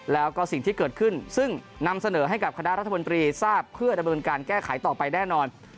แล้วก็สิ่งที่เกิดขึ้นซึ่งนำเสนอให้กับคณะรัฐมนตรีทราบเพื่อดำเนินการแก้ไขต่อไปแน่นอน